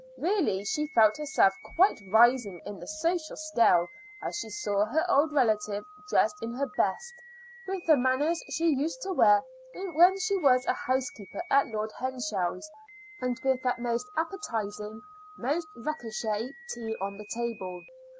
Really she felt herself quite rising in the social scale as she saw her old relative dressed in her best, with the manners she used to wear when she was housekeeper at Lord Henshel's, and with that most appetizing, most recherché tea on the table.